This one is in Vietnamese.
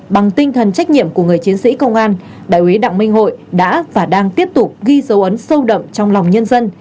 bằng tinh thần trách nhiệm của người chiến sĩ công an đại quý đặng minh hội đã và đang tiếp tục ghi dấu ấn sâu đậm trong lòng nhân dân